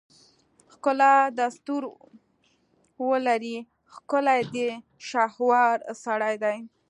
ښکلا دستورولري ښکلی دی شهوار سړی دی